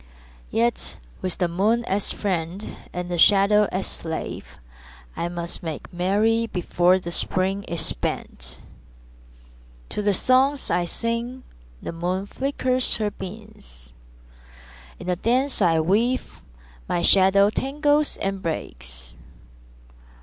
Yet with the moon as friend and the shadow as slave I must make merry before the Spring is spent. To the songs I sing the moon flickers her beams; In the dance I weave my shadow tangles and breaks.